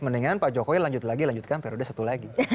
mendingan pak jokowi lanjutkan periode satu lagi